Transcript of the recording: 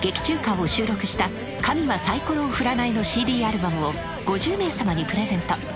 中歌を収録した神はサイコロを振らないのＣＤアルバムを５０名様にプレゼント。